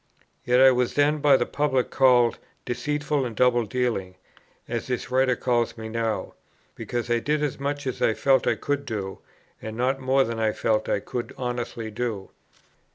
Yet I was then by the public called "deceitful and double dealing," as this Writer calls me now, "because I did as much as I felt I could do, and not more than I felt I could honestly do."